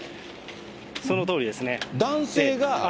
そのとおりですね。